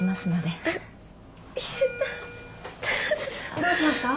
どうしました？